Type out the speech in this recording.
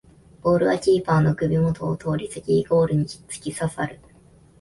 ボールはキーパーの首もとを通りすぎゴールにつきささる